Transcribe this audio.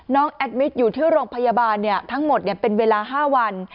น้องอยู่ที่โรงพยาบาลเนี้ยทั้งหมดเนี้ยเป็นเวลาห้าวัน